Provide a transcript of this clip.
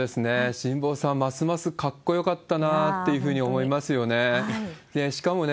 辛坊さん、ますますかっこよかったなっていうふうに思いますよね。